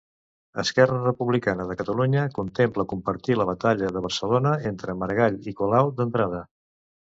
Esquerra Republicana de Catalunya contempla compartir la batllia de Barcelona entre Maragall i Colau d'entrada.